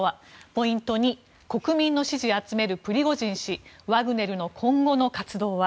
ポイント２国民の支持集めるプリゴジン氏ワグネルの今後の活動は？